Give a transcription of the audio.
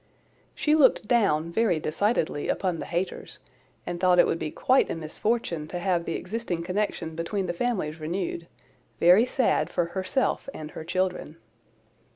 She looked down very decidedly upon the Hayters, and thought it would be quite a misfortune to have the existing connection between the families renewed—very sad for herself and her children.